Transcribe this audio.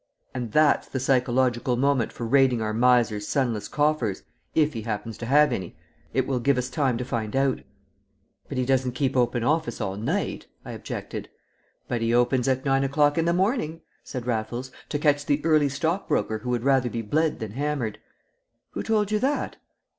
"And that's the psychological moment for raiding our 'miser's sunless coffers' if he happens to have any. It will give us time to find out." "But he doesn't keep open office all night," I objected. "But he opens at nine o'clock in the morning," said Raffles, "to catch the early stockbroker who would rather be bled than hammered." "Who told you that?"